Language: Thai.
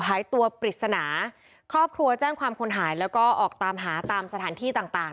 หายตัวปริศนาครอบครัวแจ้งความคนหายแล้วก็ออกตามหาตามสถานที่ต่างต่าง